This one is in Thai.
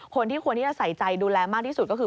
คนที่ควรที่จะใส่ใจดูแลมากที่สุดก็คือ